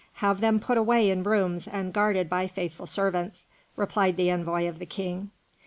Have them put away in rooms and guarded by faithful servants," replied the envoy of the King.